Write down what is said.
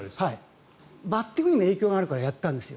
バッティングにも影響があるからやっていたんです。